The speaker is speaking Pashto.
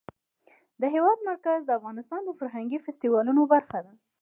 د هېواد مرکز د افغانستان د فرهنګي فستیوالونو برخه ده.